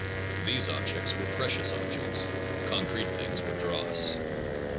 These objects were precious objects, concrete things were dross.